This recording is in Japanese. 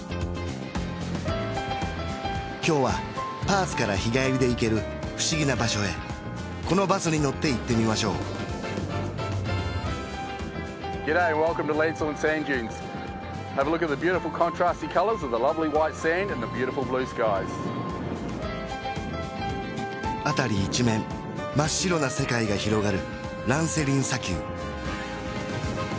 今日はパースから日帰りで行ける不思議な場所へこのバスに乗って行ってみましょう辺り一面真っ白な世界が広がるランセリン砂丘